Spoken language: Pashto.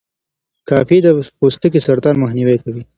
کافي د پوستکي د سرطان مخنیوی کوي.